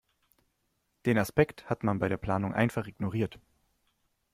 Den Aspekt hat man bei der Planung einfach ignoriert.